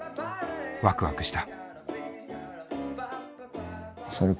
ワクワクした。